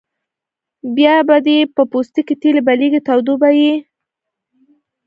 بیا به دې په پوستکي تیلی بلېږي توده به یې.